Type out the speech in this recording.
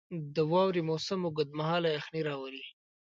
• د واورې موسم اوږد مهاله یخني راولي.